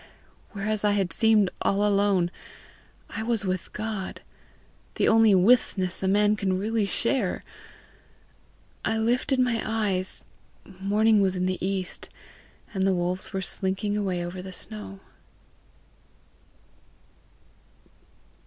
Whereas I had seemed all alone, I was with God, the only withness man can really share! I lifted my eyes; morning was in the east, and the wolves were slinking away over the snow."